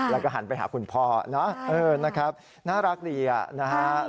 แล้วก็หันไปหาคุณพ่อเนาะนะครับน่ารักดีนะฮะ